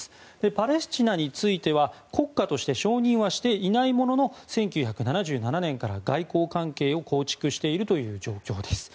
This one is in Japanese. パレスチナについては国家として承認はしていないものの１９７７年から外交関係を構築している状況です。